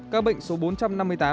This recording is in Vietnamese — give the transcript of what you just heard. các bệnh số bốn trăm năm mươi tám